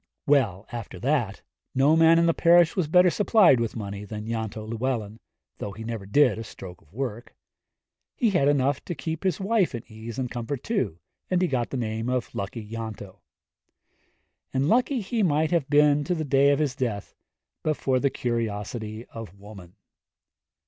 Well, after that, no man in the parish was better supplied with money than Ianto Llewellyn, though he never did a stroke of work. He had enough to keep his wife in ease and comfort, too, and he got the name of Lucky Ianto. And lucky he might have been to the day of his death but for the curiosity of woman.